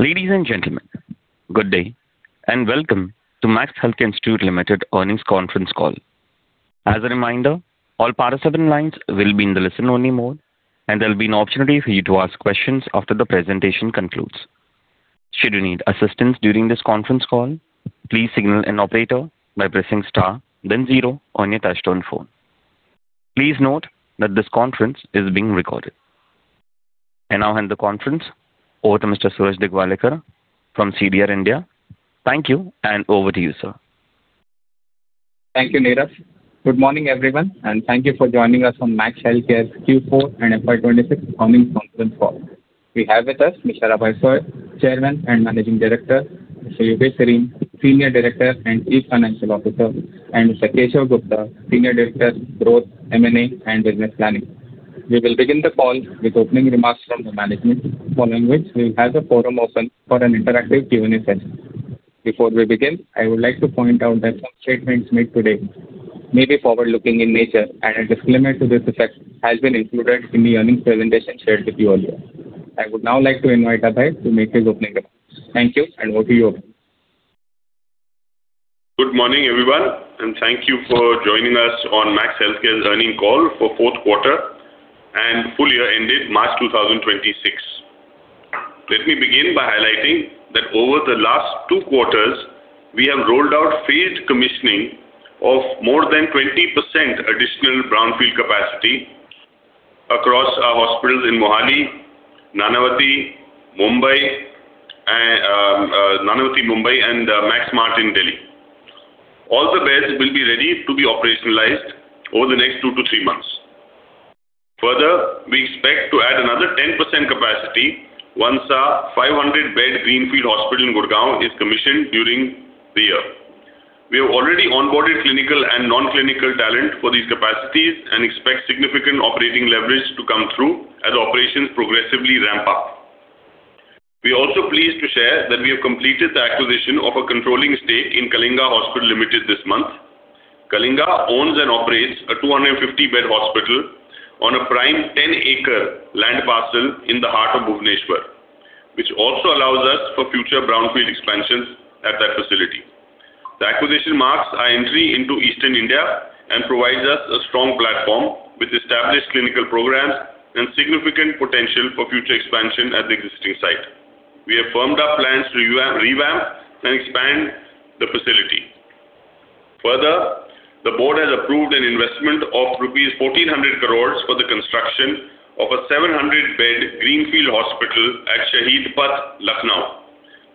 Ladies and gentlemen, good day, welcome to Max Healthcare Institute Limited earnings conference call. As a reminder, all participant lines will be in the listen-only mode, and there'll be an opportunity for you to ask questions after the presentation concludes. Should you need assistance during this conference call, please signal an operator by pressing star then zero on your touchtone phone. Please note that this conference is being recorded. I now hand the conference over to Mr. Suraj Digawalekar from CDR India. Thank you, and over to you, sir. Thank you, Neeraj. Good morning, everyone, thank you for joining us on Max Healthcare's Q4 and FY 2026 earnings conference call. We have with us Mr. Abhay Soi, Chairman and Managing Director, Mr. Yogesh Sareen, Senior Director and Chief Financial Officer, and Mr. Keshav Gupta, Senior Director, Growth, M&A, and Business Planning. We will begin the call with opening remarks from the management, following which we'll have the forum open for an interactive Q&A session. Before we begin, I would like to point out that some statements made today may be forward-looking in nature, and a disclaimer to this effect has been included in the earnings presentation shared with you earlier. I would now like to invite Abhay to make his opening remarks. Thank you, and over to you. Good morning, everyone, and thank you for joining us on Max Healthcare's earnings call for fourth quarter and full year ended March 2026. Let me begin by highlighting that over the last two quarters, we have rolled out phased commissioning of more than 20% additional brownfield capacity across our hospitals in Mohali, Nanavati, Mumbai, and Max Smart in Delhi. All the beds will be ready to be operationalized over the next two to three months. Further, we expect to add another 10% capacity once our 500-bed greenfield hospital in Gurgaon is commissioned during the year. We have already onboarded clinical and non-clinical talent for these capacities and expect significant operating leverage to come through as operations progressively ramp up. We are also pleased to share that we have completed the acquisition of a controlling stake in Kalinga Hospital Limited this month. Kalinga owns and operates a 250-bed hospital on a prime 10-acre land parcel in the heart of Bhubaneswar, which also allows us for future brownfield expansions at that facility. The acquisition marks our entry into Eastern India and provides us a strong platform with established clinical programs and significant potential for future expansion at the existing site. We have firmed up plans to revamp and expand the facility. Further, the board has approved an investment of 1,400 crores for the construction of a 700-bed greenfield hospital at Shaheed Path, Lucknow.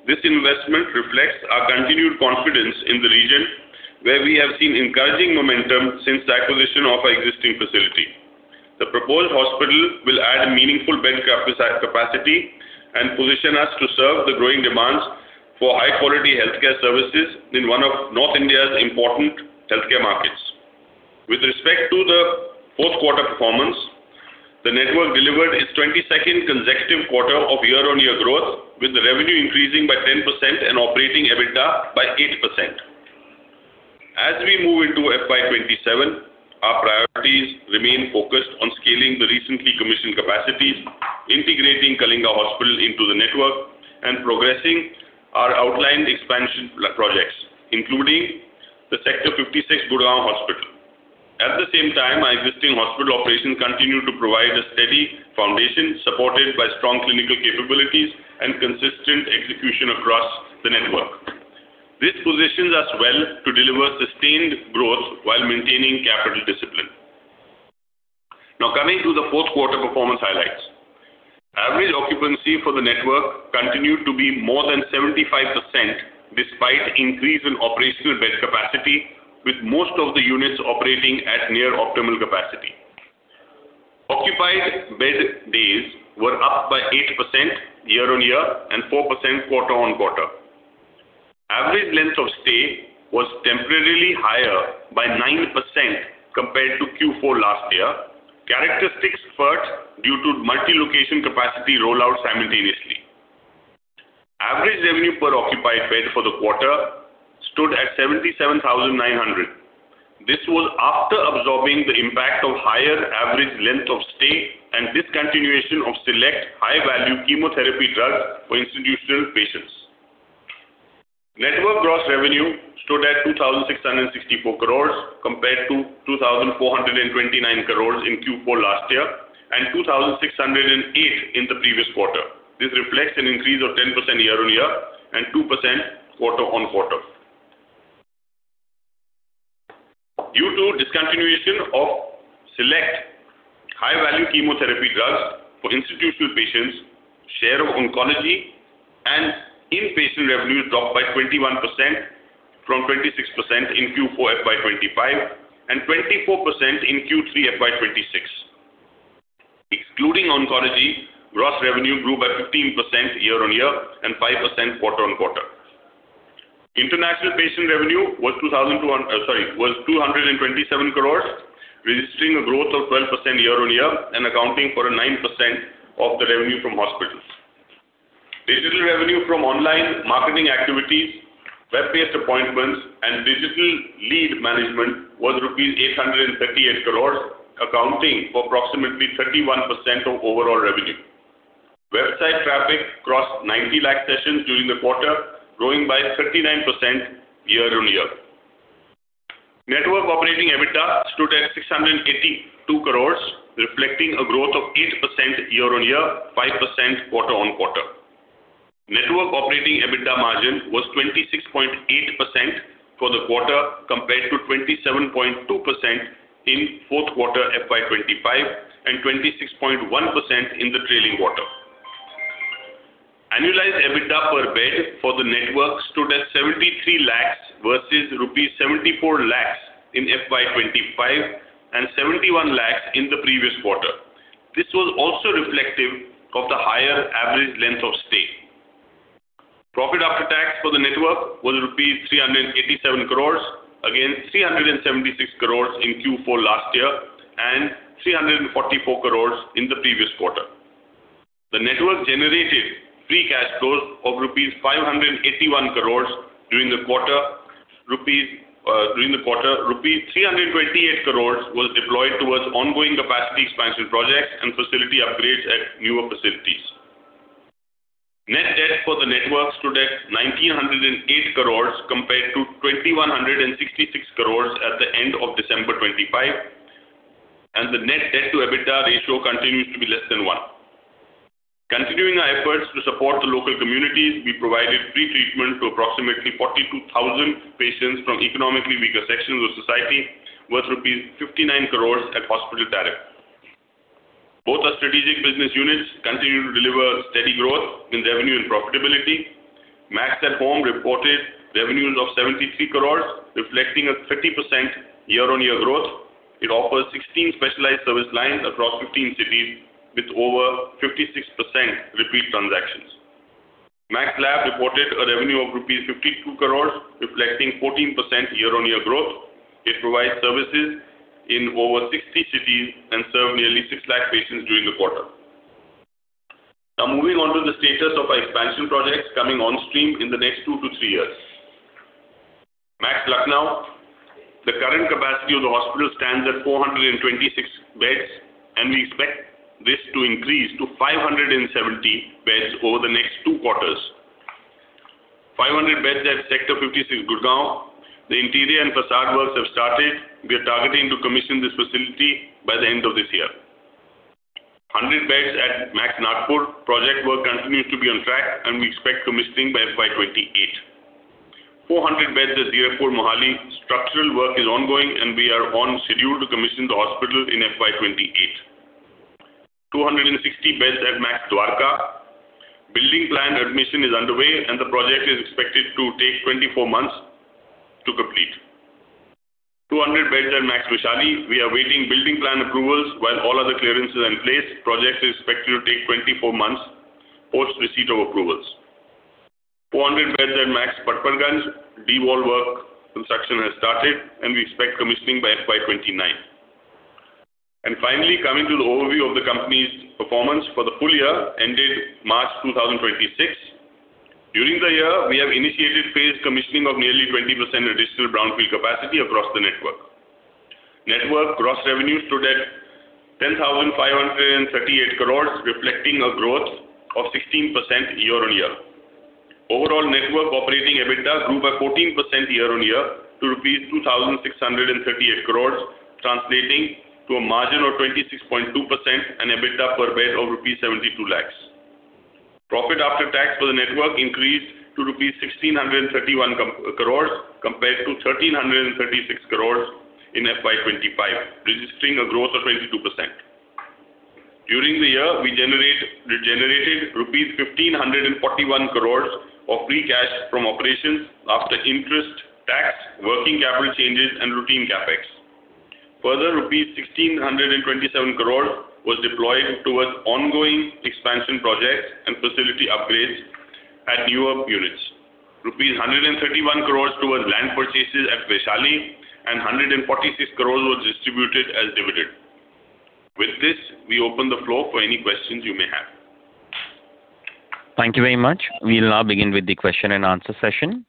This investment reflects our continued confidence in the region, where we have seen encouraging momentum since the acquisition of our existing facility. The proposed hospital will add a meaningful bed capacity and position us to serve the growing demands for high-quality healthcare services in one of North India's important healthcare markets. With respect to the fourth quarter performance, the network delivered its 22nd consecutive quarter of year-on-year growth, with revenue increasing by 10% and operating EBITDA by 8%. As we move into FY 2027, our priorities remain focused on scaling the recently commissioned capacities, integrating Kalinga Hospital into the network, and progressing our outlined expansion projects, including the Sector 56 Gurgaon hospital. At the same time, our existing hospital operations continue to provide a steady foundation supported by strong clinical capabilities and consistent execution across the network. This positions us well to deliver sustained growth while maintaining capital discipline. Now coming to the fourth quarter performance highlights. Average occupancy for the network continued to be more than 75% despite increase in operational bed capacity, with most of the units operating at near optimal capacity. Occupied bed days were up by 8% year-on-year and 4% quarter-on-quarter. Average length of stay was temporarily higher by 9% compared to Q4 last year, characteristics first due to multi-location capacity rollout simultaneously. Average revenue per occupied bed for the quarter stood at 77,900. This was after absorbing the impact of higher average length of stay and discontinuation of select high-value chemotherapy drugs for institutional patients. Network gross revenue stood at 2,664 crore compared to 2,429 crore in Q4 last year and 2,608 crore in the previous quarter. This reflects an increase of 10% year-on-year and 2% quarter-on-quarter. Due to discontinuation of select high-value chemotherapy drugs for institutional patients, share of oncology and inpatient revenue dropped by 21%, from 26% in Q4 FY 2025 and 24% in Q3 FY 2026. Excluding oncology, gross revenue grew by 15% year-on-year and 5% quarter-on-quarter. International patient revenue was 227 crore, registering a growth of 12% year-on-year and accounting for 9% of the revenue from hospitals. Digital revenue from online marketing activities, web-based appointments and digital lead management was rupees 838 crore, accounting for approximately 31% of overall revenue. Website traffic crossed 90 lakh sessions during the quarter, growing by 39% year-on-year. Network operating EBITDA stood at 682 crore, reflecting a growth of 8% year-on-year, 5% quarter-on-quarter. Network operating EBITDA margin was 26.8% for the quarter compared to 27.2% in fourth quarter FY 2025 and 26.1% in the trailing quarter. Annualized EBITDA per bed for the network stood at 73 lakh versus rupees 74 lakh in FY 2025 and 71 lakh in the previous quarter. This was also reflective of the higher average length of stay. Profit after tax for the network was INR 387 crore, against 376 crore in Q4 last year and 344 crore in the previous quarter. The network generated free cash flow of INR 581 crore during the quarter. Rupees 328 crores was deployed towards ongoing capacity expansion projects and facility upgrades at newer facilities. Net debt for the network stood at 1,908 crores compared to 2,166 crores at the end of December 2025, and the net debt to EBITDA ratio continues to be less than 1. Continuing our efforts to support the local communities, we provided free treatment to approximately 42,000 patients from economically weaker sections of society, worth rupees 59 crores at hospital tariff. Both our strategic business units continue to deliver steady growth in revenue and profitability. Max@Home reported revenues of 73 crores, reflecting a 30% year-on-year growth. It offers 16 specialized service lines across 15 cities with over 56% repeat transactions. Max Lab reported a revenue of rupees 52 crores, reflecting 14% year-on-year growth. It provides services in over 60 cities and served nearly 6 lakh patients during the quarter. Moving on to the status of our expansion projects coming on stream in the next two to three years. Max Lucknow, the current capacity of the hospital stands at 426 beds, and we expect this to increase to 570 beds over the next two quarters. 500 beds at Sector 56, Gurgaon. The interior and façade works have started. We are targeting to commission this facility by the end of this year. 100 beds at Max Nagpur. Project work continues to be on track, and we expect commissioning by FY 2028. 400 beds at Airport Mohali. Structural work is ongoing, and we are on schedule to commission the hospital in FY 2028. 260 beds at Max Dwarka. Building plan admission is underway, and the project is expected to take 24 months to complete. 200 beds at Max Vaishali. We are awaiting building plan approvals while all other clearance is in place. Project is expected to take 24 months post receipt of approvals. 400 beds at Max Patparganj. D-wall work construction has started, we expect commissioning by FY 2029. Finally, coming to the overview of the company's performance for the full year ended March 2026. During the year, we have initiated phased commissioning of nearly 20% additional brownfield capacity across the network. Network gross revenue stood at INR 10,538 crores, reflecting a growth of 16% year-over-year. Overall network operating EBITDA grew by 14% year-over-year to rupees 2,638 crores, translating to a margin of 26.2% and EBITDA per bed of rupees 72 lakhs. Profit after tax for the network increased to rupees 1,631 crores compared to 1,336 crores in FY 2025, registering a growth of 22%. During the year, we generated rupees 1,541 crores of free cash from operations after interest, tax, working capital changes, and routine CapEx. Further, INR 1,627 crores was deployed towards ongoing expansion projects and facility upgrades at newer units. Rupees 131 crores towards land purchases at Vaishali and 146 crores was distributed as dividend. With this, we open the floor for any questions you may have. Thank you very much. We'll now begin with the question and answer session.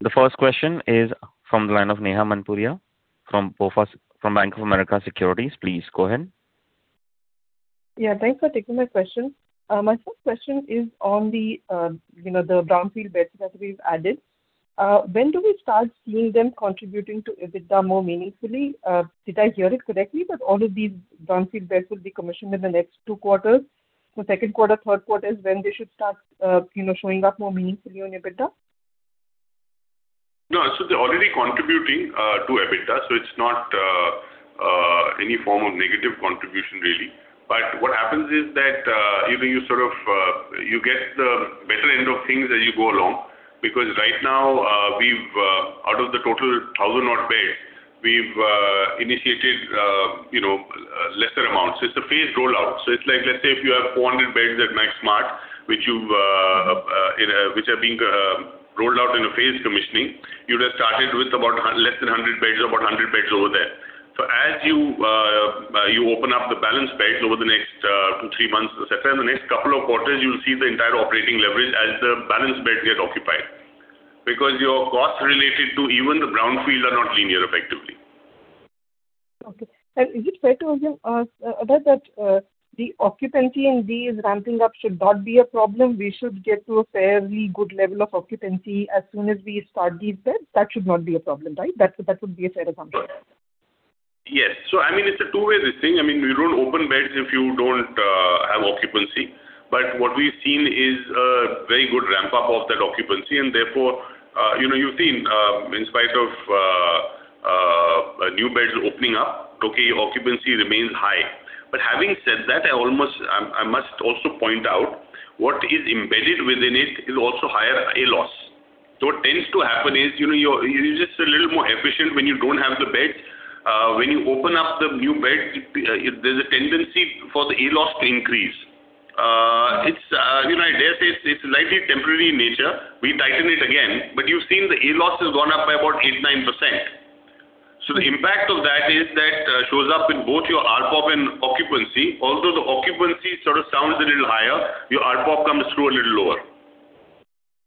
The first question is from the line of Neha Manpuria from Bank of America Securities. Please go ahead. Yeah, thanks for taking my question. My first question is on the brownfield beds that we've added. When do we start seeing them contributing to EBITDA more meaningfully? Did I hear it correctly that all of these brownfield beds will be commissioned in the next two quarters? Second quarter, third quarter is when they should start showing up more meaningfully on EBITDA? No. They're already contributing to EBITDA, so it's not any form of negative contribution really. What happens is that, you get the better end of things as you go along, because right now out of the total 1,000 odd beds, we've initiated lesser amounts. It's a phased rollout. Let's say if you have 400 beds at Max Smart, which have been rolled out in a phased commissioning, you'd have started with less than 100 beds or 100 beds over there. As you open up the balance beds over the next two, three months, et cetera, in the next couple of quarters, you'll see the entire operating leverage as the balance beds get occupied. Your costs related to even the brownfields are not linear effectively. Okay. Is it fair to assume, Abhay, that the occupancy in these ramping up should not be a problem? We should get to a fairly good level of occupancy as soon as we start these beds. That should not be a problem. That would be a fair assumption. Yes. It's a two-way thing. You don't open beds if you don't have occupancy. What we've seen is a very good ramp-up of that occupancy, and therefore, you've seen in spite of new beds opening up, occupancy remains high. Having said that, I must also point out what is embedded within it is also higher ALOs. What tends to happen is, you're just a little more efficient when you don't have the beds. When you open up the new beds, there's a tendency for the ALOs to increase. I dare say it's slightly temporary in nature. We tighten it again, but you've seen the ALOs has gone up by about 8%, 9%. The impact of that is that shows up in both your ARPOB and occupancy, although the occupancy sort of sounds a little higher, your ARPOB comes through a little lower.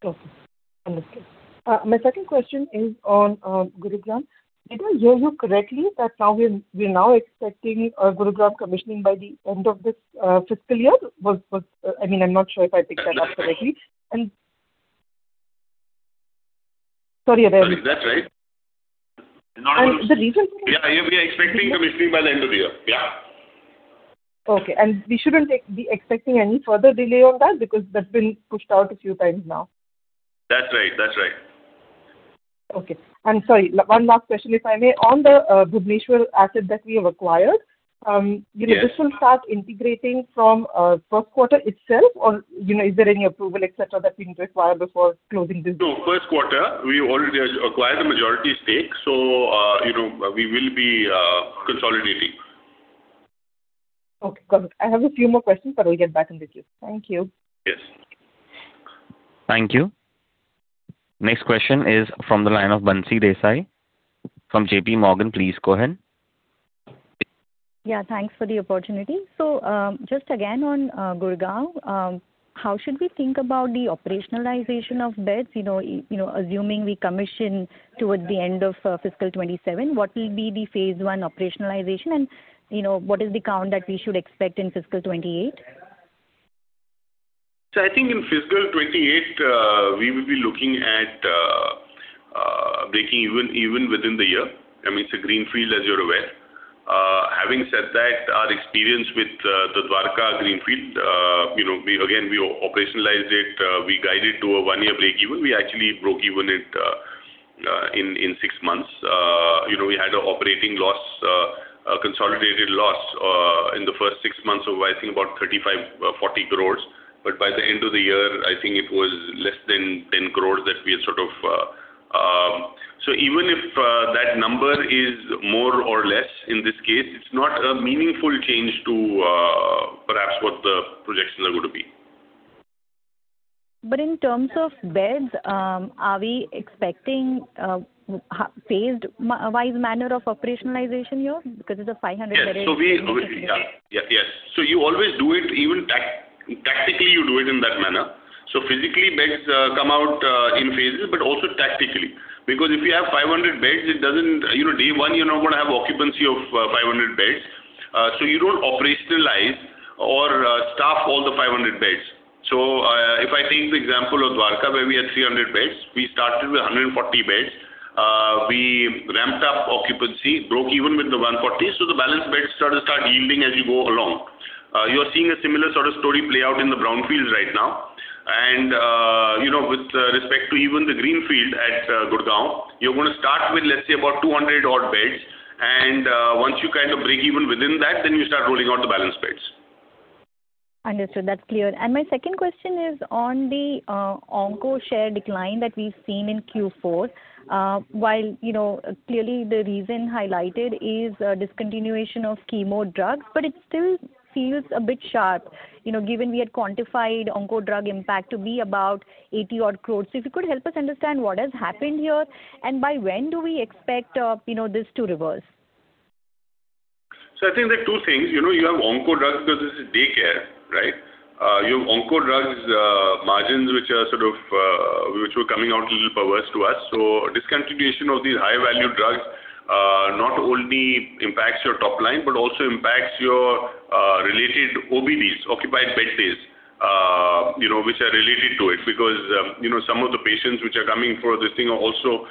Okay. Understood. My second question is on Gurugram. Did I hear you correctly that we're now expecting Gurugram commissioning by the end of this fiscal year? I'm not sure if I picked that up correctly. Sorry, Abhay. Sorry. That's right. And the reason- Yeah, we are expecting commissioning by the end of the year. Yeah. Okay. We shouldn't be expecting any further delay on that because that's been pushed out a few times now. That's right. Okay. Sorry, one last question, if I may? On the Bhubaneswar asset that we have acquired- Yes This will start integrating from first quarter itself, or is there any approval, et cetera, that we require before closing this deal? No. First quarter, we already acquired the majority stake, so we will be consolidating. Okay, got it. I have a few more questions, but I'll get back in with you. Thank you. Yes. Thank you. Next question is from the line of Bansi Desai from JPMorgan. Please go ahead. Yeah, thanks for the opportunity. Just again on Gurugram, how should we think about the operationalization of beds? Assuming we commission towards the end of fiscal 2027, what will be the phase one operationalization, and what is the count that we should expect in fiscal 2028? I think in FY28, we will be looking at breaking even within the year. It's a greenfield, as you are aware. Having said that, our experience with the Dwarka Greenfield, again, we operationalized it, we guided to a one-year break even. We actually broke even in six months. We had an operating loss, a consolidated loss, in the first six months of, I think, about 35 crore, 40 crore. By the end of the year, I think it was less than 10 crore. Even if that number is more or less in this case, it's not a meaningful change to perhaps what the projections are going to be. In terms of beds, are we expecting a phased wise manner of operationalization here, because it's a 500 bed-? Yes. You always do it, even tactically you do it in that manner. Physically, beds come out in phases, but also tactically. Because if you have 500 beds, day one, you're not going to have occupancy of 500 beds. You don't operationalize or staff all the 500 beds. If I take the example of Dwarka where we had 300 beds, we started with 140 beds. We ramped up occupancy, broke even with the 140. The balance beds sort of start yielding as you go along. You're seeing a similar sort of story play out in the brownfields right now. With respect to even the greenfield at Gurugram, you're going to start with, let's say, about 200 odd beds, and once you kind of break even within that, then you start rolling out the balance beds. Understood. That's clear. My second question is on the onco share decline that we've seen in Q4. While clearly the reason highlighted is discontinuation of chemo drugs, it still feels a bit sharp, given we had quantified onco drug impact to be about 80 odd crores. If you could help us understand what has happened here, and by when do we expect this to reverse? I think there are two things. You have onco drugs because this is day care. You have onco drugs margins which were coming out a little perverse to us. Discontinuation of these high-value drugs not only impacts your top line, but also impacts your related OBDs, occupied bed days which are related to it, because some of the patients which are coming for this thing are also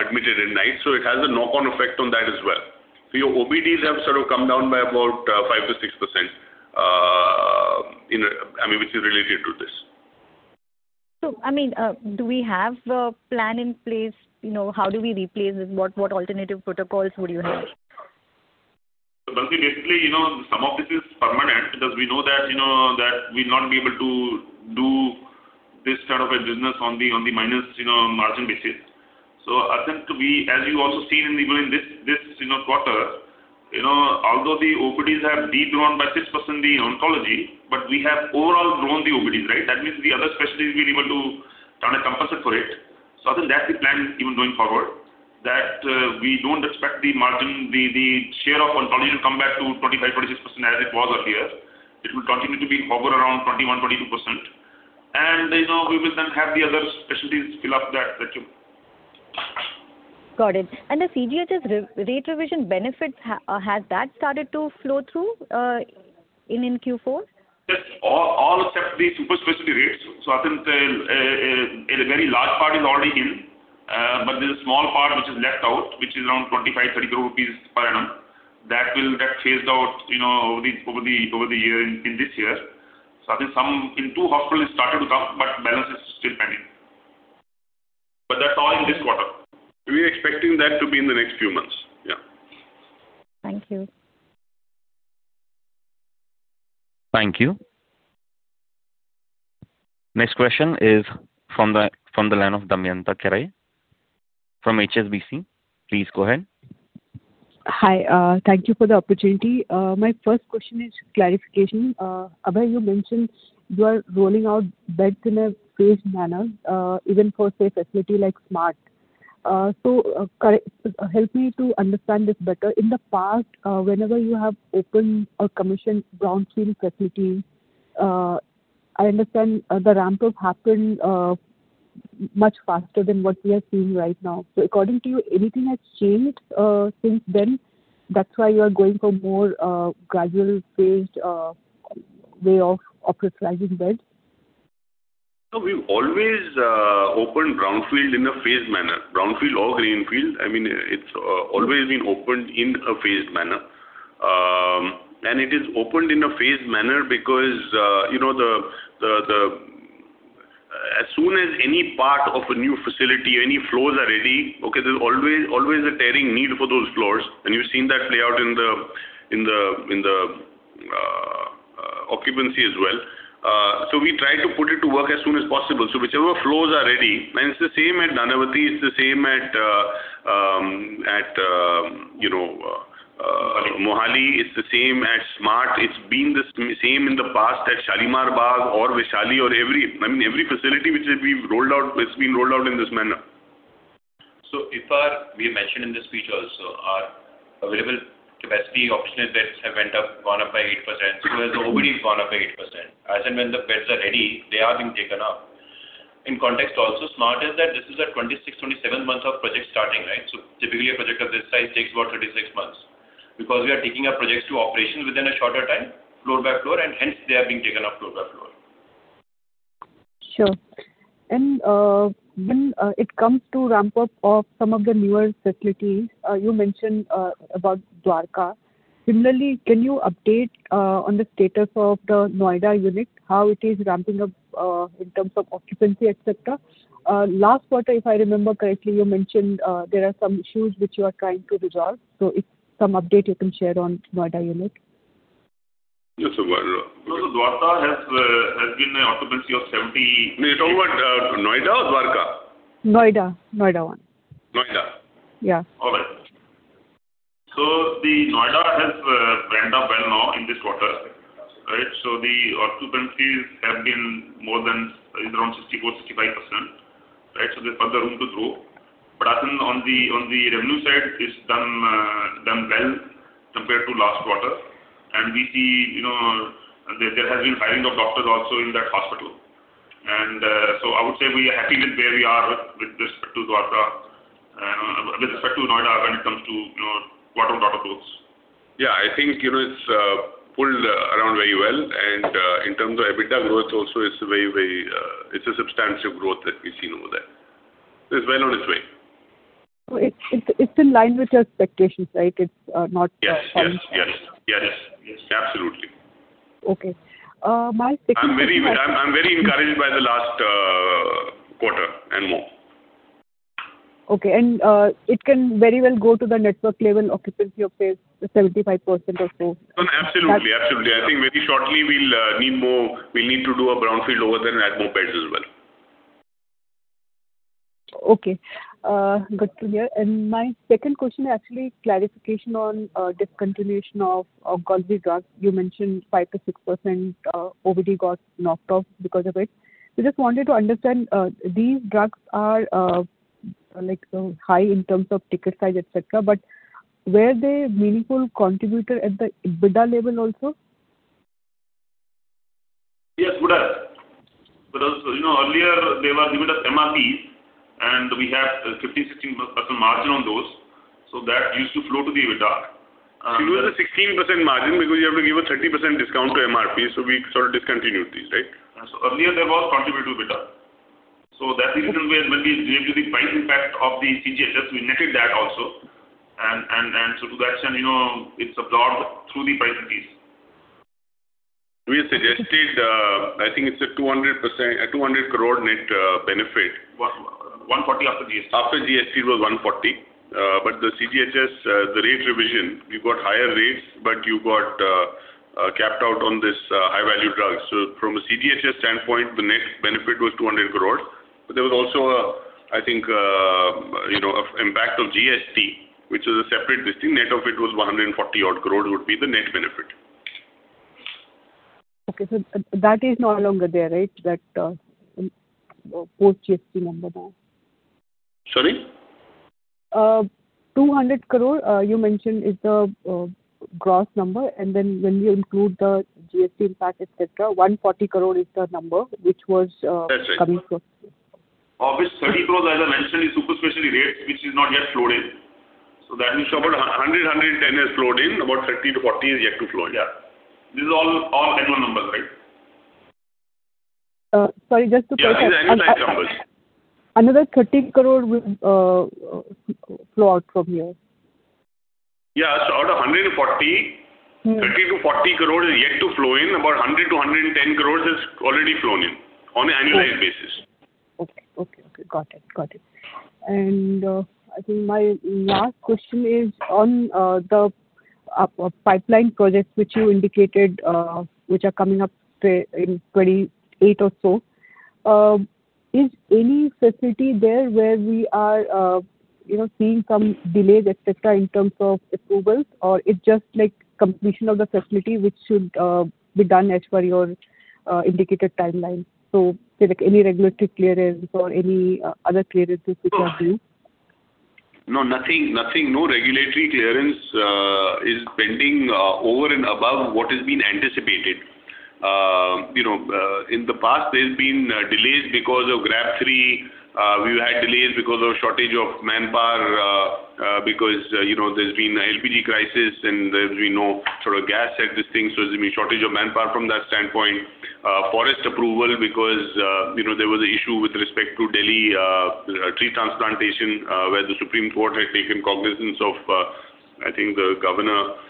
admitted at night, so it has a knock-on effect on that as well. Your OBDs have sort of come down by about 5%-6%. Do we have a plan in place? How do we replace this? What alternative protocols would you have? Basically, some of this is permanent because we know that we'll not be able to do this kind of a business on the minus margin basis. I think as you also seen even in this quarter, although the OPDs have de-grown by 6% in oncology, but we have overall grown the OPDs, right? That means the other specialties we've been able to turn a composite for it. I think that's the plan even going forward, that we don't expect the margin, the share of oncology to come back to 25%, 26% as it was earlier. It will continue to hover around 21%, 22%. We will then have the other specialties fill up that tube. Got it. The CGHS rate revision benefits, has that started to flow through in Q4? Yes. All except the super specialty rates. I think a very large part is already in, but there's a small part which is left out, which is around 25 rupees, 30 crores rupees per annum. That will get phased out over the year in this year. I think in two hospitals it started to come, but the balance is still pending. That's all in this quarter. We're expecting that to be in the next few months. Yeah. Thank you. Thank you. Next question is from the line of Damayanti Kerai from HSBC. Please go ahead. Hi. Thank you for the opportunity. My first question is clarification. Abhay, you mentioned you are rolling out beds in a phased manner, even for, say, facility like SMART. Help me to understand this better. In the past, whenever you have opened or commissioned brownfield facilities, I understand the ramp-up happened much faster than what we are seeing right now. According to you, anything has changed since then, that's why you are going for more gradual phased way of operationalizing beds? No. We've always opened brownfield in a phased manner. Brownfield or greenfield, it's always been opened in a phased manner. It is opened in a phased manner because as soon as any part of a new facility or any floors are ready, okay, there's always a tearing need for those floors, and you've seen that play out in the occupancy as well. We try to put it to work as soon as possible. Whichever floors are ready, and it's the same at Nanavati, it's the same at Mohali, it's the same at SMART. It's been the same in the past at Shalimar Bagh or Vaishali or every facility which we've rolled out, it's been rolled out in this manner. We mentioned in the speech also our available capacity occupied beds have gone up by 8%, so has the OBD gone up by 8%. As and when the beds are ready, they are being taken up. In context also, SMART is at 26, 27 months of project starting, right? Typically, a project of this size takes about 36 months. We are taking our projects to operation within a shorter time, floor by floor, and hence, they are being taken up floor by floor. Sure. When it comes to ramp up of some of the newer facilities, you mentioned about Dwarka. Similarly, can you update on the status of the Noida unit, how it is ramping up in terms of occupancy, et cetera? Last quarter, if I remember correctly, you mentioned there are some issues which you are trying to resolve. If some update you can share on Noida unit. Yes. No, Dwarka has been an occupancy of 70. You're talking about Noida or Dwarka? Noida. Noida one. Noida. Yeah. All right. The Noida has ramped up well now in this quarter. Right. The occupancies have been more than around 64%, 65%. Right, there's further room to grow. I think on the revenue side, it's done well compared to last quarter. We see there has been hiring of doctors also in that hospital. I would say we are happy with where we are with respect to Noida when it comes to quarter-on-quarter growth. Yeah, I think it's pulled around very well, and in terms of EBITDA growth also, it's a substantive growth that we've seen over there. It's well on its way. It's in line with your expectations, right? Yes. Absolutely. Okay. My second- I'm very encouraged by the last quarter and more. Okay. It can very well go to the network level occupancy of, say, 75% or so. Absolutely. I think very shortly we'll need to do a brownfield over there and add more beds as well. Okay. Good to hear. My second question is actually clarification on discontinuation of Golvi drug. You mentioned 5%-6% OBD got knocked off because of it. We just wanted to understand, these drugs are high in terms of ticket size, et cetera, but were they a meaningful contributor at the EBITDA level also? Yes, would have. Because earlier they were given as MRP, and we have 15%-16% margin on those, so that used to flow to the EBITDA. It was a 16% margin because you have to give a 30% discount to MRP, so we sort of discontinued these, right? Earlier they were contributing. That incremental will be due to the price impact of the CGHS. We netted that also. To that extent, it's absorbed through the pipe piece. We suggested, I think it's an 200 crore net benefit. 140 after GST. GST was 140. The CGHS, the rate revision, you got higher rates, but you got capped out on this high-value drugs. From a CGHS standpoint, the net benefit was 200 crore. There was also, I think, impact of GST, which is a separate distinct. Net of it was 140 odd crore would be the net benefit. Okay. That is no longer there, right? That post GST number now. Sorry? 200 crore, you mentioned, is the gross number, and then when you include the GST impact, etc, 140 crore is the number which was. That's right. coming from. Of which 30 crores, as I mentioned, is super specialty rates, which is not yet flowed in. That means about 100 crore- 110 crore has flowed in, about 30 crore-40 crore is yet to flow in. This is all annual numbers, right? Sorry, just to clarify. Yeah, these are annualized numbers. Another 30 crore will flow out from here. Yeah. out of 140, 30 crore-40 crore is yet to flow in. About 100 crore-110 crores has already flown in on an annualized basis. Okay. Got it. I think my last question is on the pipeline projects which you indicated which are coming up in 2028 or so. Is any facility there where we are seeing some delays, et cetera, in terms of approvals, or it's just completion of the facility which should be done as per your indicated timeline? Say like any regulatory clearance or any other clearances which are due. No regulatory clearance is pending over and above what has been anticipated. In the past, there's been delays because of GRAP 3. We've had delays because of shortage of manpower, because there's been a LPG crisis. There's been shortage of manpower from that standpoint. Forest approval because there was a issue with respect to Delhi tree transplantation, where the Supreme Court had taken cognizance of, I think, the governor.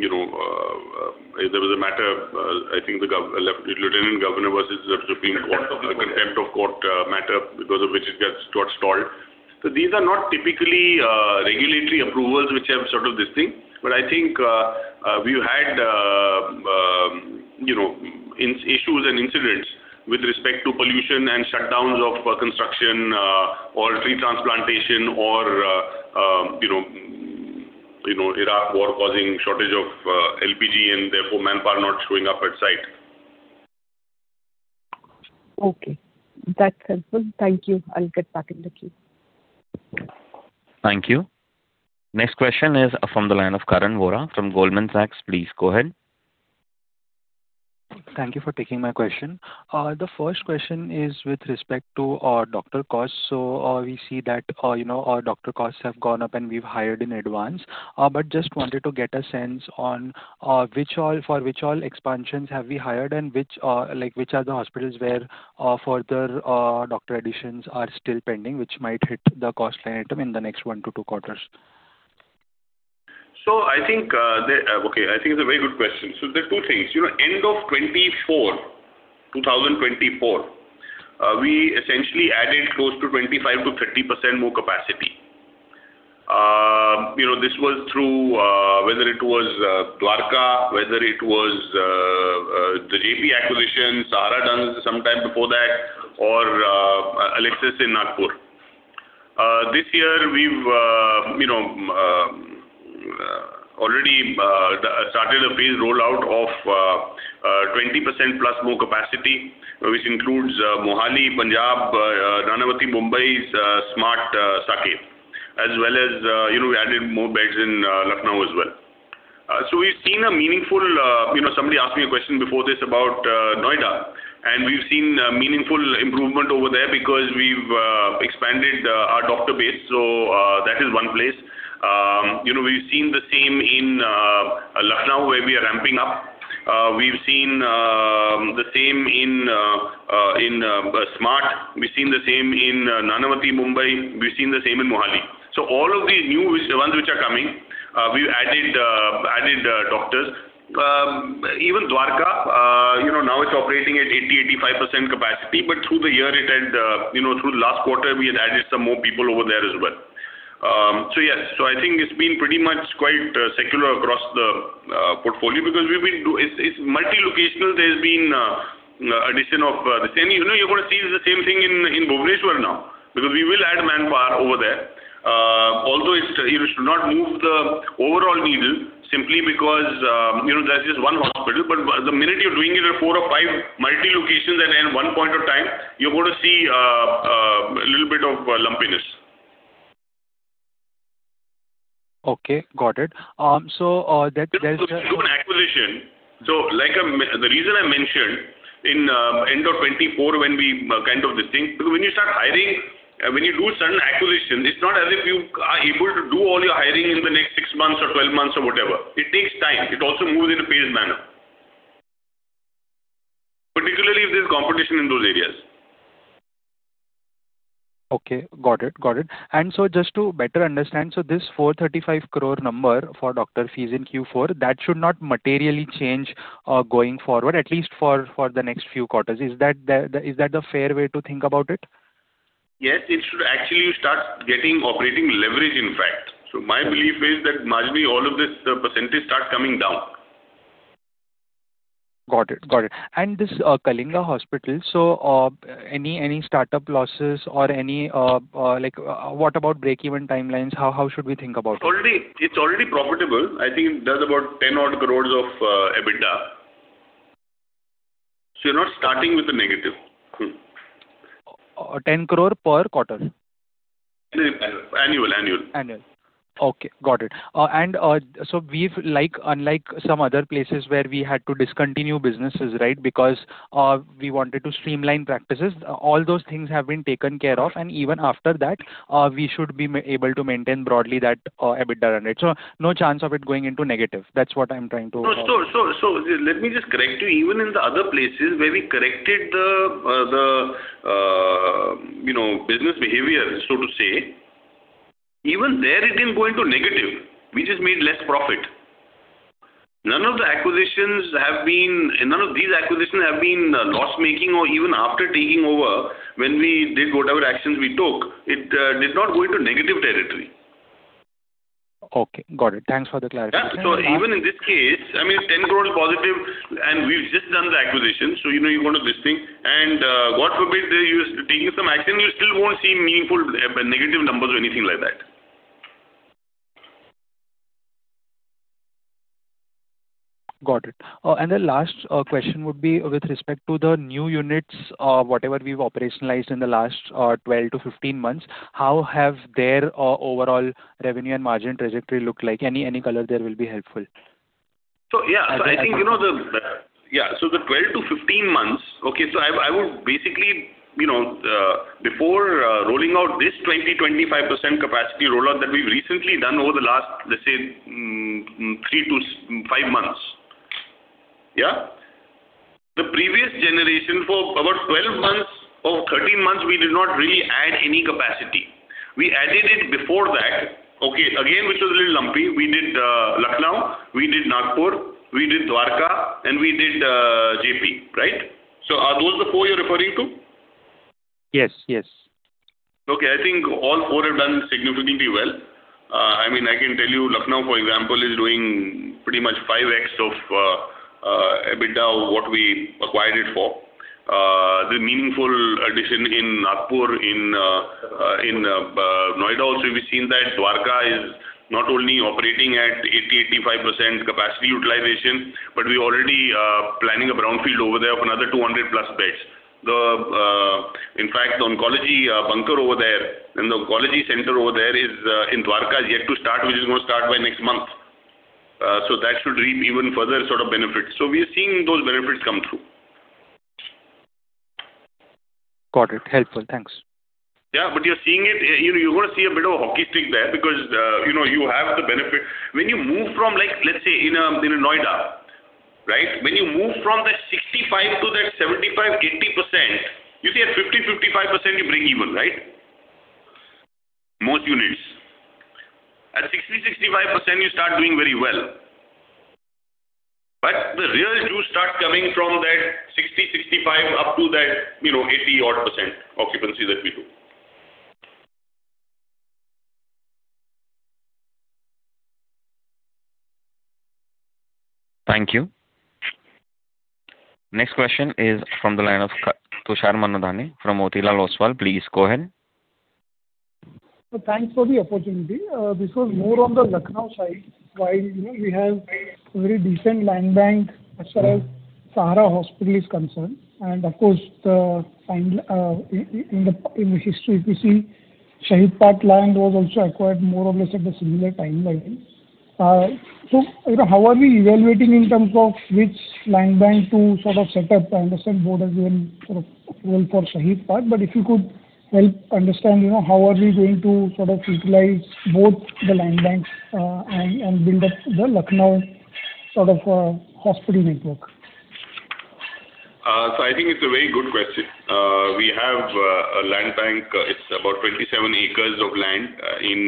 There was a matter, I think Lieutenant Governor versus the Supreme Court of the contempt of court matter because of which it got stalled. These are not typically regulatory approvals which have sort of this thing. I think we've had issues and incidents with respect to pollution and shutdowns of construction or tree transplantation or Iran war causing shortage of LPG and therefore manpower not showing up at site. Okay. That's helpful. Thank you. I'll get back in the queue. Thank you. Next question is from the line of Karan Vora from Goldman Sachs. Please go ahead. Thank you for taking my question. The first question is with respect to our doctor costs. We see that our doctor costs have gone up, and we've hired in advance. Just wanted to get a sense on for which all expansions have we hired and which are the hospitals where further doctor additions are still pending, which might hit the cost line item in the next one to two quarters? Okay. I think it's a very good question. There are two things. End of 2024, we essentially added close to 25%-30% more capacity. This was through, whether it was Dwarka, whether it was the Jaypee acquisition, Sahara done some time before that, or Alexis in Nagpur. This year we've already started a phased rollout of 20%+ more capacity, which includes Mohali, Punjab, Nanavati Mumbai, SMART, Saket. As well as we added more beds in Lucknow as well. Somebody asked me a question before this about Noida, and we've seen meaningful improvement over there because we've expanded our doctor base. That is one place. We've seen the same in Lucknow where we are ramping up. We've seen the same in SMART. We've seen the same in Nanavati Mumbai. We've seen the same in Mohali. All of the new ones which are coming, we've added doctors. Even Dwarka, now it's operating at 80%, 85% capacity, but through the last quarter, we had added some more people over there as well. Yes. I think it's been pretty much quite secular across the portfolio because it's multi-locational. There's been addition of this. You're going to see the same thing in Bhubaneswar now, because we will add manpower over there. Although it should not move the overall needle simply because that's just one hospital. The minute you're doing it at four or five multi-locations at any one point of time, you're going to see a little bit of lumpiness. Okay, got it. There's an acquisition. The reason I mentioned in end of 2024 when we kind of this thing, because when you start hiring, when you do certain acquisitions, it's not as if you are able to do all your months or 12 months or whatever. It takes time. It also moves in a phased manner. Particularly if there's competition in those areas. Okay, got it. Just to better understand, so this 435 crore number for doctor fees in Q4, that should not materially change going forward, at least for the next few quarters. Is that the fair way to think about it? Yes. Actually, you start getting operating leverage, in fact. My belief is that margin, all of this % starts coming down. Got it. This Kalinga Hospital, any startup losses or what about break-even timelines? How should we think about it? It's already profitable. I think it does about 10-odd crores of EBITDA. You're not starting with a negative. 10 crore per quarter? Annual. Annual. Okay, got it. Unlike some other places where we had to discontinue businesses because we wanted to streamline practices, all those things have been taken care of, and even after that, we should be able to maintain broadly that EBITDA run rate. No chance of it going into negative, that's what I'm trying to say. Let me just correct you. Even in the other places where we corrected the business behavior, so to say, even there it didn't go into negative. We just made less profit. None of these acquisitions have been loss-making or even after taking over, when we did whatever actions we took, it did not go into negative territory. Okay, got it. Thanks for the clarification. Even in this case, 10 crore is positive, and we've just done the acquisition, so you're going to this thing, and God forbid, you're taking some action, you still won't see meaningful negative numbers or anything like that. Got it. The last question would be with respect to the new units, whatever we've operationalized in the last 12 to 15 months, how have their overall revenue and margin trajectory looked like? Any color there will be helpful. Yeah. The 12-15 months, I would basically, before rolling out this 20%-25% capacity rollout that we've recently done over the last, let’s say, three to five months. Yeah. The previous generation for about 12 or 13 months, we did not really add any capacity. We added it before that. Again, which was a little lumpy. We did Lucknow, we did Nagpur, we did Dwarka, and we did Jaypee, right? Are those the four you're referring to? Yes. Okay. I think all four have done significantly well. I can tell you, Lucknow, for example, is doing pretty much 5x of EBITDA of what we acquired it for. The meaningful addition in Nagpur, in Noida also, we've seen that Dwarka is not only operating at 80%-85% capacity utilization, but we're already planning a brownfield over there of another 200+ beds. In fact, the oncology bunker over there and the oncology center over there in Dwarka is yet to start, which is going to start by next month. That should reap even further sort of benefits. We are seeing those benefits come through. Got it. Helpful. Thanks. Yeah. You're going to see a bit of a hockey stick there because you have the benefit. When you move from, let's say, in Noida. When you move from that 65 to that 75%-80%, you see at 50%-55%, you break even. Most units. At 60%-65%, you start doing very well. The real juice starts coming from that 60%-65% up to that 80%-odd occupancy that we do. Thank you. Next question is from the line of Tushar Mandhane from Motilal Oswal. Please go ahead. Thanks for the opportunity. This was more on the Lucknow side. While we have a very decent land bank as far as Sahara Hospital is concerned, and of course, in the history, if you see, Shaheed Path land was also acquired more or less at the similar timeline. How are we evaluating in terms of which land bank to sort of set up? I understand board has given sort of role for Shaheed Path, if you could help understand how are we going to utilize both the land banks, and build up the Lucknow sort of hospital network. I think it's a very good question. We have a land bank. It is about 27 acres of land in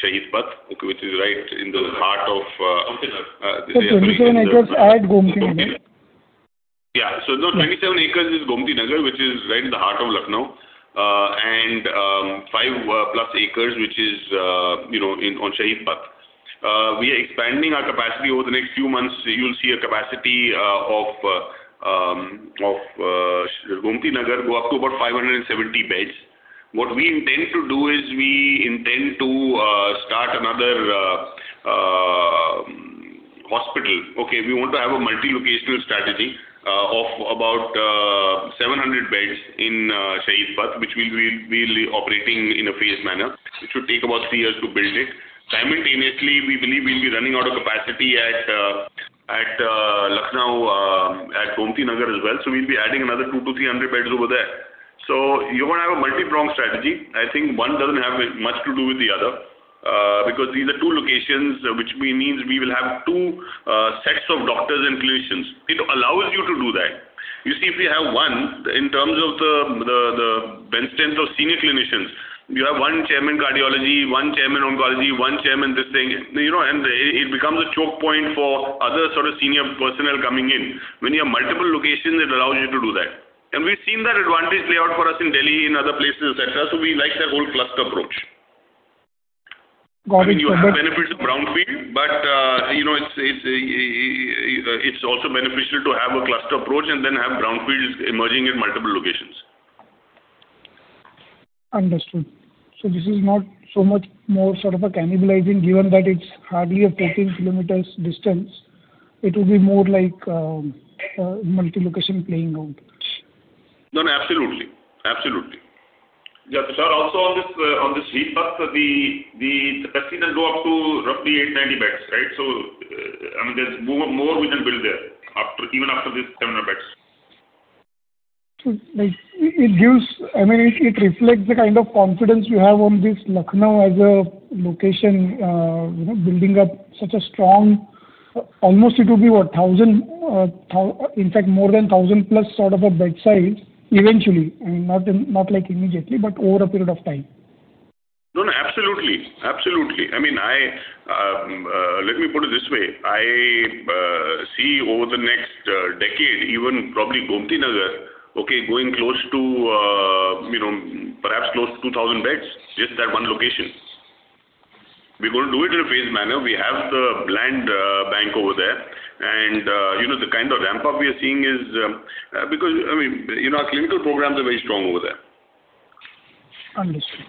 Shaheed Path which is right in the haert of Lucknow 27 acres at Gomti Nagar. Yeah. No, 27 acres is Gomti Nagar, which is right in the heart of Lucknow, and 5+ acres, which is on Shaheed Path. We are expanding our capacity over the next few months. You'll see a capacity of Gomti Nagar go up to about 570 beds. What we intend to do is we intend to start another hospital. We want to have a multi-locational strategy of about 700 beds in Shaheed Path, which we'll be operating in a phased manner, which should take about three years to build it. Simultaneously, we believe we'll be running out of capacity. We'll be adding another 200-300 beds over there. You want to have a multi-pronged strategy. I think one doesn't have much to do with the other because these are two locations, which means we will have two sets of doctors and clinicians. It allows you to do that. You see, if we have one, in terms of the bench strength of senior clinicians, you have one chairman cardiology, one chairman oncology, one chairman this thing. It becomes a choke point for other senior personnel coming in. When you have multiple locations, it allows you to do that. We've seen that advantage play out for us in Delhi and other places, etc. We like the whole cluster approach. Got it. I mean, you have benefits of brownfield. It's also beneficial to have a cluster approach and then have brownfields emerging in multiple locations. Understood. This is not so much more sort of a cannibalizing, given that it's hardly a 14 km distance. It will be more like a multi-location playing out. No, absolutely. Tushar, also on this Shaheed Path, the capacity can go up to roughly 890 beds, right? I mean, there's more we can build there even after this 700 beds. It reflects the kind of confidence you have on this Lucknow as a location building up such a strong Almost it will be what? In fact, more than 1,000-plus sort of a bed size eventually, not like immediately, but over a period of time. No, absolutely. Let me put it this way. I see over the next decade, even probably Gomti Nagar, okay, going perhaps close to 2,000 beds, just that one location. We're going to do it in a phased manner. We have the land bank over there and the kind of ramp-up we are seeing is Because our clinical programs are very strong over there. Understood.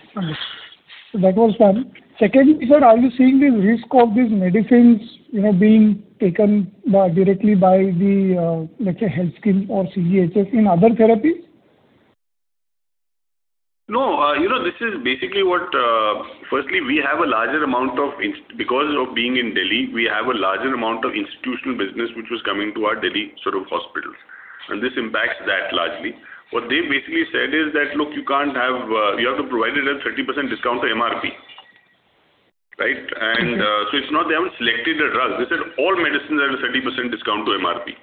That was one. Second, sir, are you seeing the risk of these medicines being taken directly by the health scheme or CGHS in other therapies? No. Firstly, because of being in Delhi, we have a larger amount of institutional business which was coming to our Delhi hospital. This impacts that largely. What they basically said is that you have to provide it at 30% discount to MRP. Right? They haven't selected a drug. They said all medicines are at a 30% discount to MRP.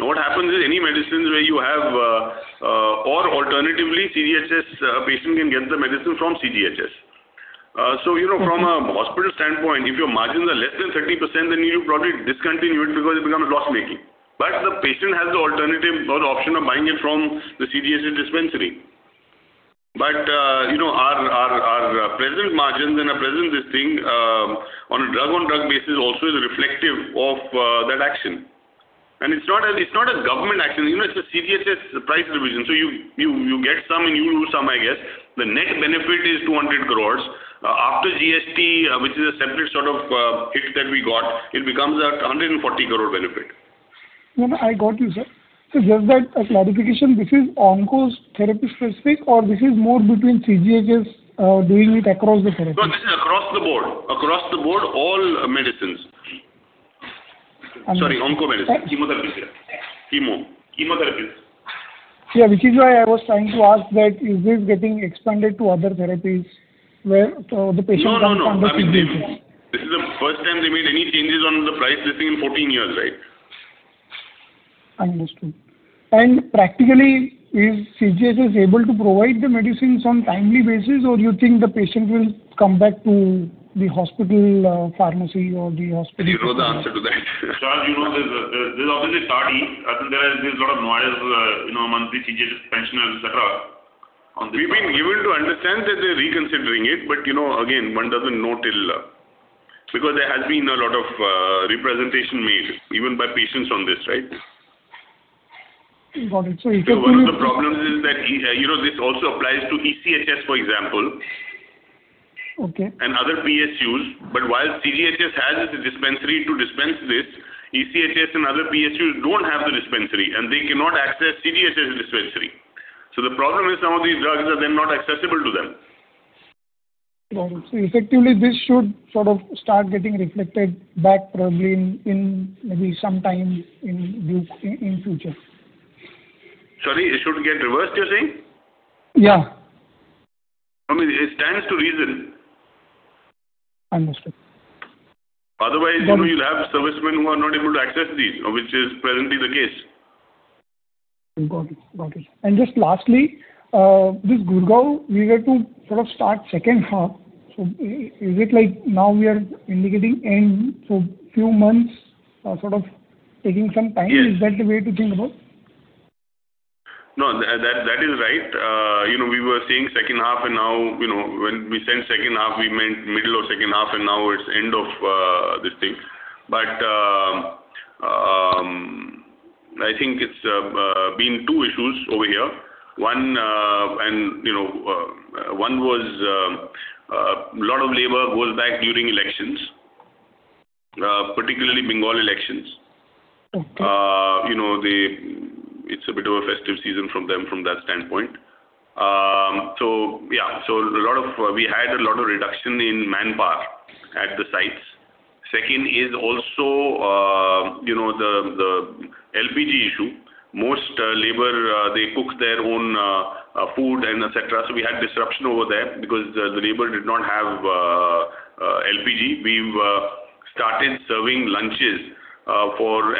Alternatively, patient can get the medicine from CGHS. From a hospital standpoint, if your margins are less than 30%, then you probably discontinue it because it becomes loss-making. The patient has the alternative or the option of buying it from the CGHS dispensary. Our present margins and our present this thing on a drug-on-drug basis also is reflective of that action. It's not a government action, it's a CGHS price revision. You get some, and you lose some, I guess. The net benefit is 200 crore. After GST, which is a separate sort of hit that we got, it becomes a 140 crore benefit. No, I got you, sir. Just that clarification, this is onco therapy specific, or this is more between CGHS doing it across the therapy? No, this is across the board, all medicines. Sorry, onco medicines, chemotherapies. Yeah, which is why I was trying to ask that is this getting expanded to other therapies where the patient- No. Can purchase this? This is the first time they made any changes on the price listing in 14 years, right? Understood. Practically, is CGHS able to provide the medicines on timely basis, or you think the patient will come back to the hospital pharmacy or the hospital? You know the answer to that. Tushar, you know this, obviously starting, I think there is a lot of noise monthly CGHS pension, et cetera, on this. We've been given to understand that they're reconsidering it. Again, one doesn't know still. There has been a lot of representation made even by patients on this, right? Got it. One of the problems is that this also applies to ECHS, for example. Okay and other PSUs. While CGHS has its dispensary to dispense this, ECHS and other PSUs don't have the dispensary, and they cannot access CGHS dispensary. The problem is some of these drugs are then not accessible to them. Got it. Effectively, this should sort of start getting reflected back probably in maybe some time in future. Sorry, it should get reversed, you're saying? Yeah. I mean, it stands to reason. Understood. Otherwise, you will have servicemen who are not able to access these, which is presently the case. Got it. Just lastly, this Gurgaon, we were to sort of start second half. Is it like now we are indicating end, so few months, sort of taking some time? Yes. Is that the way to think about? No, that is right. We were saying second half and now when we said second half, we meant middle of second half, and now it's end of this thing. I think it's been two issues over here. One was a lot of labor goes back during elections, particularly Bengal elections. Okay. It's a bit of a festive season from them from that standpoint, yeah. We had a lot of reduction in manpower at the sites. Second is also the LPG issue. Most labor, they cook their own food and et cetera. We had disruption over there because the labor did not have LPG. We've started serving lunches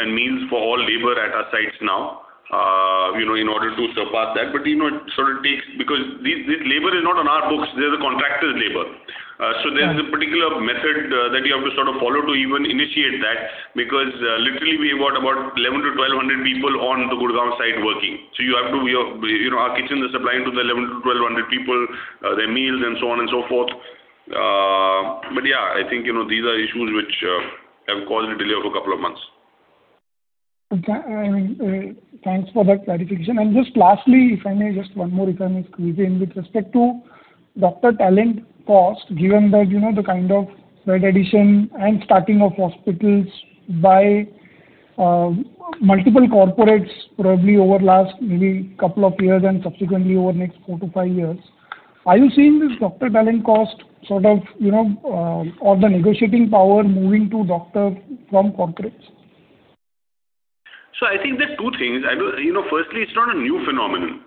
and meals for all labor at our sites now in order to surpass that. Because this labor is not on our books, they're the contractor's labor. There's a particular method that you have to follow to even initiate that, because literally we've got about 1,100-1,200 people on the Gurgaon site working. Our kitchen is supplying to the 1,100-1,200 people, their meals and so on and so forth. Yeah, I think, these are issues which have caused a delay of a couple of months. Okay. Thanks for that clarification. Just lastly, if I may, just one more, if I may squeeze in. With respect to doctor talent cost, given that the kind of bed addition and starting of hospitals by multiple corporates, probably over last maybe two years and subsequently over next four to five years, are you seeing this doctor talent cost or the negotiating power moving to doctors from corporates? I think there's two things. Firstly, it's not a new phenomenon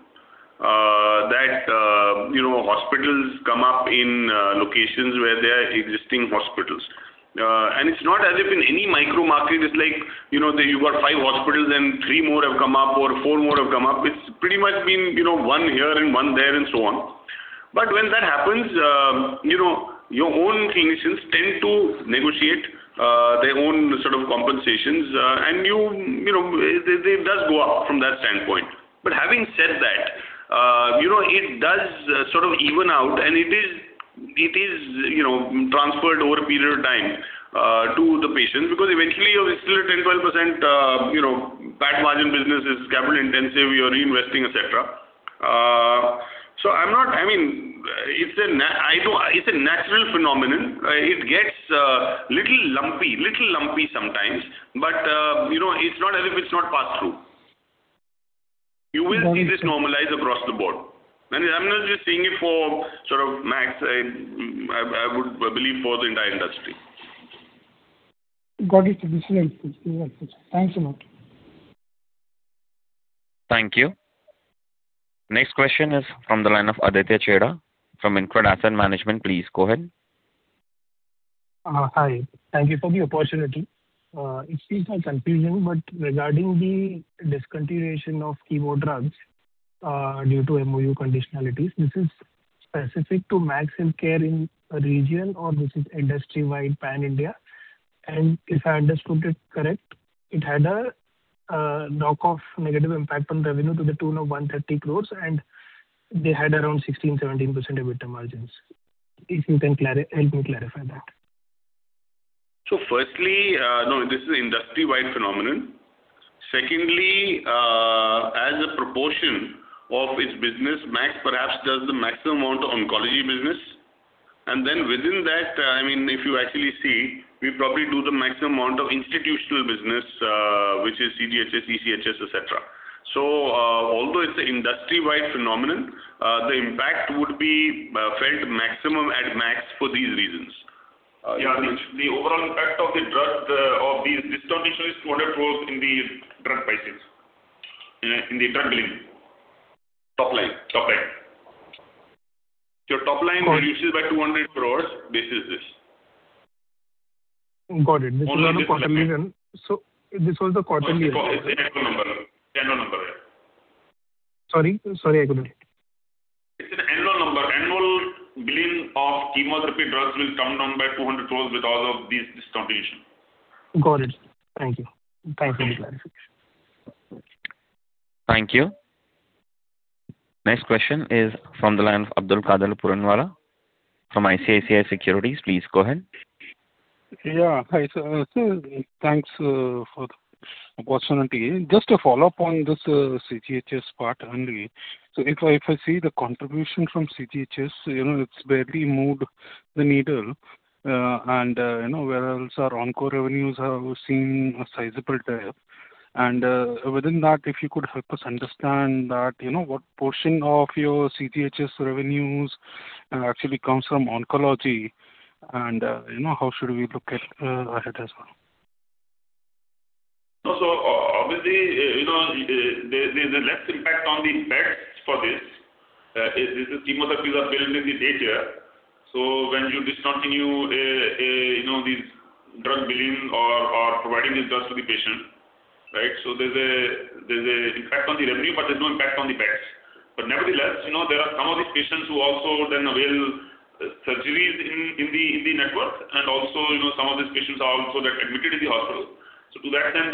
that hospitals come up in locations where there are existing hospitals. It's not as if in any micro market, it's like you've got five hospitals and three more have come up or four more have come up. It's pretty much been one here and one there and so on. When that happens, your own clinicians tend to negotiate their own sort of compensations and it does go up from that standpoint. Having said that, it does sort of even out and it is transferred over a period of time to the patients because eventually it's still a 10%-12% bad margin business, it's capital intensive, you're reinvesting, etc. It's a natural phenomenon. It gets little lumpy sometimes. It's not as if it's not passed through. You will see this normalize across the board. I'm not just saying it for Max, I would believe for the entire industry. Got it. This is helpful. Thanks a lot. Thank you. Next question is from the line of Aditya Chheda from InCred Asset Management. Please go ahead. Hi. Thank you for the opportunity. Excuse my confusion, regarding the discontinuation of chemo drugs due to MoU conditionalities, this is specific to Max Healthcare in a region or this is industry-wide pan-India? If I understood it correct, it had a knock-off negative impact on revenue to the tune of 130 crores and they had around 16%-17% EBITDA margins. If you can help me clarify that. Firstly, no, this is an industry-wide phenomenon. Secondly, as a proportion of its business, Max perhaps does the maximum amount of oncology business and then within that, if you actually see, we probably do the maximum amount of institutional business, which is CGHS, ECHS, etc. Although it's an industry-wide phenomenon, the impact would be felt maximum at Max for these reasons. The overall impact of the drug of these discontinuation is INR 200 crores in the drug billing. Top line. Top line reduces by 200 crores basis this. Got it. This is on a quarterly basis. It's an annual number. Sorry? Sorry, I couldn't hear. It's an annual number. Annual billing of chemotherapy drugs will come down by 200 crore with all of these discontinuations. Got it. Thank you. Thanks for the clarification. Thank you. Next question is from the line of Abdul Kadar Puranwala from ICICI Securities. Please go ahead. Yeah. Hi, sir. Thanks for the opportunity. Just a follow-up on this CGHS part only. If I see the contribution from CGHS, it's barely moved the needle and where else our onco revenues have seen a sizable dip. Within that if you could help us understand that what portion of your CGHS revenues actually comes from oncology and how should we look at ahead as well? Obviously, there's a less impact on the beds for this. These chemotherapies are billed in the day here. When you discontinue these drug billing or providing these drugs to the patient. There's a impact on the revenue but there's no impact on the beds. Nevertheless, there are some of these patients who also then avail surgeries in the network and also some of these patients are also then admitted in the hospital. To that end,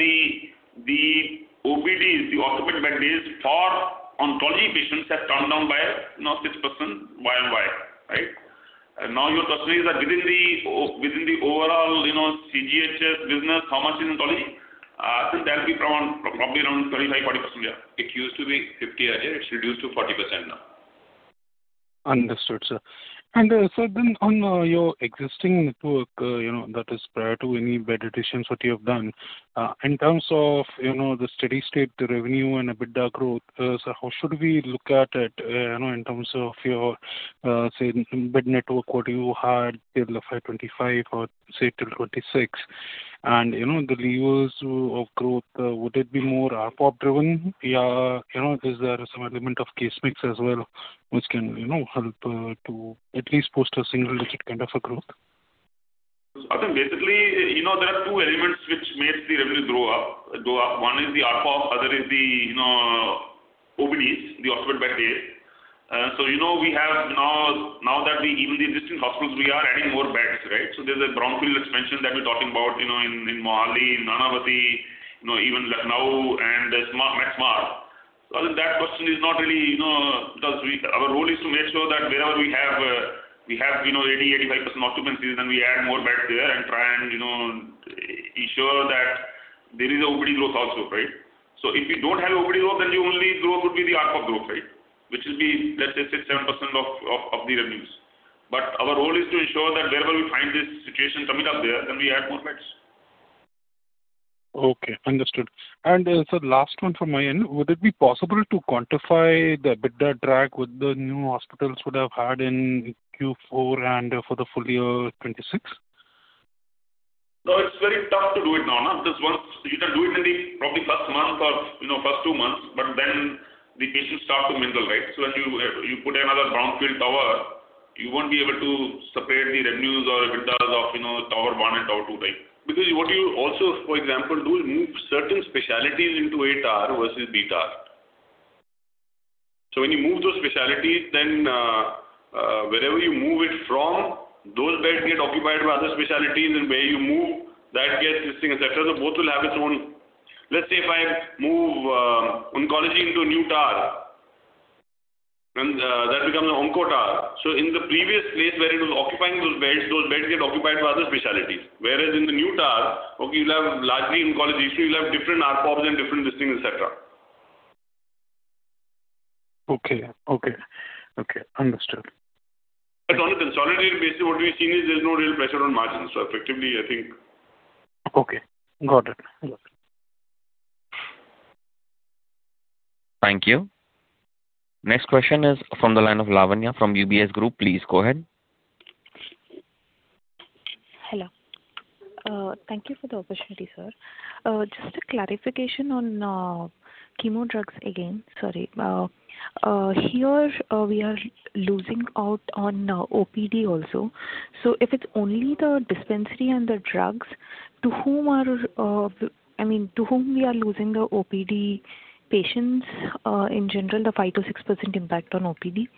the OPDs, the occupied bed days for oncology patients have come down by 6% YoY. Now your question is that within the overall CGHS business, how much is oncology? I think that'll be probably around 25%, 40%, yeah. It used to be 50% earlier, it's reduced to 40% now. Understood, sir. Sir, then on your existing network that is prior to any bed additions that you have done, in terms of the steady-state revenue and EBITDA growth, sir, how should we look at it in terms of your, say, bed network, what you had till FY 2025 or say till FY 2026? The levers of growth, would it be more ARPOB driven or is there some element of case mix as well, which can help to at least post a single-digit kind of a growth? I think basically, there are two elements which makes the revenue grow up. One is the ARPOB, other is the OPDs, the outpatient bed days. Now that even the existing hospitals, we are adding more beds. There's a brownfield expansion that we're talking about in Mohali, in Nanavati, even Lucknow and Max Super Speciality Hospital, Delhi. I think that question is not really because our role is to make sure that wherever we have 80%-85% occupancies, then we add more beds there and try and ensure that there is OPD growth also. If you don't have OPD growth, then the only growth would be the ARPOB growth. Which will be, let's say, 6%-7% of the revenues. Our role is to ensure that wherever we find this situation coming up there, then we add more beds. Okay, understood. Sir, last one from my end. Would it be possible to quantify the EBITDA drag with the new hospitals would have had in Q4 and for the full year 2026? No, it's very tough to do it now. You can do it in the probably first month or first two months, but then the patients start to mingle. When you put another brownfield tower, you won't be able to separate the revenues or EBITDAs of tower 1 and tower 2 type. What you also, for example, do is move certain specialties into a tower versus b tower. When you move those specialties, then wherever you move it from, those beds get occupied by other specialties, and where you move, that gets this thing, et cetera. Both will have its own. Let's say if I move oncology into a new tower, and that becomes an onco tower. In the previous place where it was occupying those beds, those beds get occupied by other specialties. Whereas in the new tower, you'll have largely oncology issue, you'll have different ARPOB and different this thing, et cetera. Okay. Understood. On the consolidated basis, what we've seen is there's no real pressure on margins. Okay. Got it. Thank you. Next question is from the line of Lavanya from UBS Group. Please go ahead. Hello. Thank you for the opportunity, sir. Just a clarification on chemo drugs again, sorry. Here, we are losing out on OPD also. If it's only the dispensary and the drugs, to whom we are losing the OPD patients, in general, the 5%-6% impact on OPD.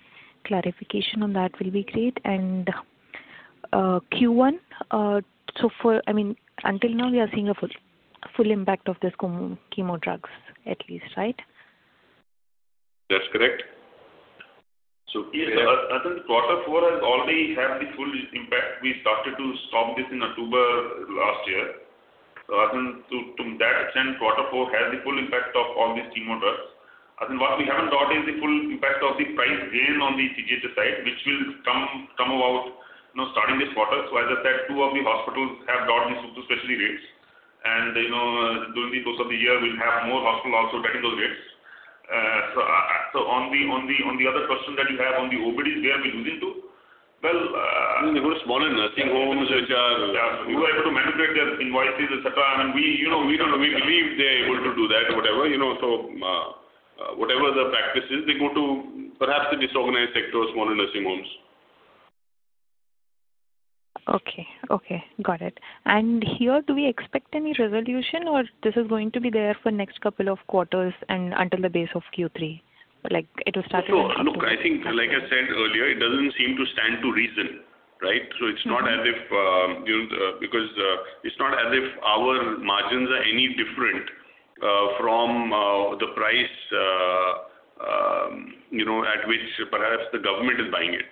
Clarification on that will be great. Q1, until now we are seeing a full impact of these chemo drugs, at least, right? That's correct. I think quarter four has already had the full impact. We started to stop this in October last year. I think to that extent, quarter four has the full impact of all these chemo drugs. I think what we haven't got is the full impact of the price gain on the CGHS side, which will come about starting this quarter. As I said, two of the hospitals have got the super specialty rates, and during the course of the year, we'll have more hospital also getting those rates. On the other question that you have on the OPDs, where are we losing to? I mean, they go to small nursing homes. Yeah. They were able to manipulate their invoices, et cetera, and we believe they're able to do that, whatever. Whatever the practice is, they go to perhaps the disorganized sector or small nursing homes. Okay. Got it. Here, do we expect any resolution or this is going to be there for next couple of quarters and until the base of Q3? No. Look, I think like I said earlier, it doesn't seem to stand to reason. It's not as if our margins are any different from the price at which perhaps the government is buying it.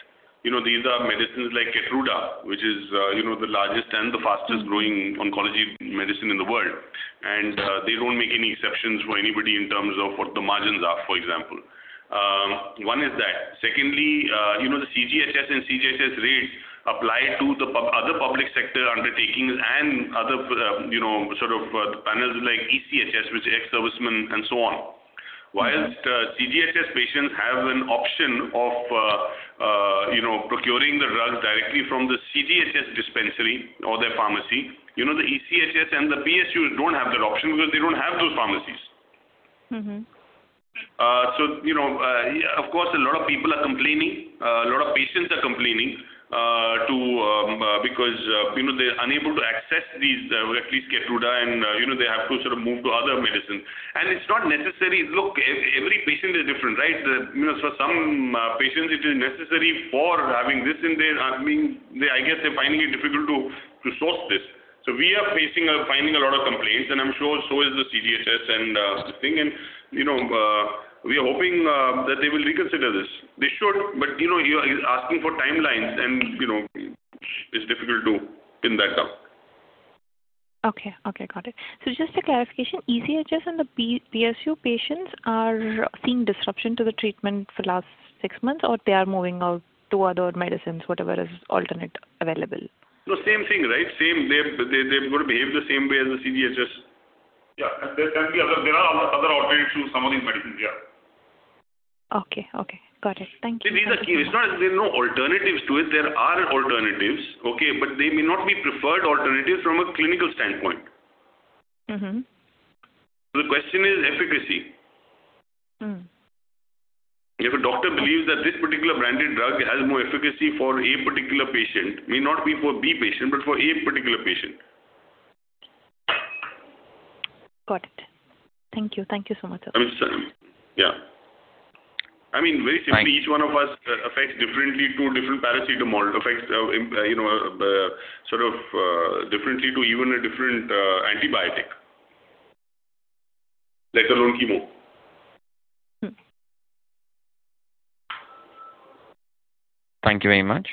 These are medicines like Keytruda, which is the largest and the fastest-growing oncology medicine in the world. They don't make any exceptions for anybody in terms of what the margins are, for example. One is that. Secondly, the CGHS and CGHS rates apply to the other public sector undertakings and other sort of panels like ECHS, which ex-servicemen and so on. Whilst CGHS patients have an option of procuring the drug directly from the CGHS dispensary or their pharmacy, the ECHS and the PSU don't have that option because they don't have those pharmacies. Of course, a lot of people are complaining, a lot of patients are complaining because they're unable to access these, at least Keytruda, and they have to sort of move to other medicines. It's not necessary. Look, every patient is different. For some patients, it is necessary for having this. I guess they're finding it difficult to source this. We are finding a lot of complaints, and I'm sure so is the CGHS and this thing, and we are hoping that they will reconsider this. They should, but asking for timelines and it's difficult to pin that down. Okay. Got it. Just a clarification, ECHS and the PSU patients are seeing disruption to the treatment for last six months, or they are moving out to other medicines, whatever is alternate available? No, same thing. They're going to behave the same way as the CGHS. Yeah. There are other alternatives to some of these medicines, yeah. Okay. Got it. Thank you. These are key. It's not as there are no alternatives to it. There are alternatives. They may not be preferred alternatives from a clinical standpoint. The question is efficacy. If a doctor believes that this particular branded drug has more efficacy for a particular patient, may not be for b patient, but for a particular patient. Got it. Thank you. Thank you so much. Yeah. I mean, Thank- each one of us affects differently to different paracetamol, affects sort of differently to even a different antibiotic. Let alone chemo. Thank you very much.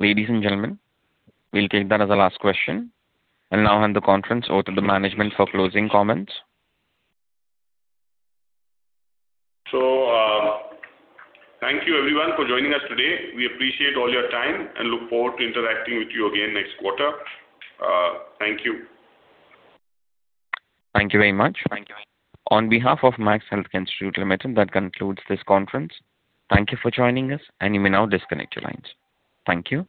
Ladies and gentlemen, we will take that as our last question. I will now hand the conference over to the management for closing comments. Thank you everyone for joining us today. We appreciate all your time and look forward to interacting with you again next quarter. Thank you. Thank you very much. Thank you. On behalf of Max Healthcare Institute Limited, that concludes this conference. Thank you for joining us, and you may now disconnect your lines. Thank you.